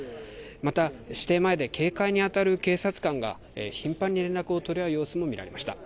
また私邸前で警戒にあたる警察官が頻繁に連絡を取り合う様子も見られました。